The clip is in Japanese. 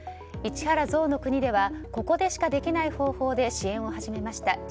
市原ぞうの国ではここでしかできない方法で支援を始めました。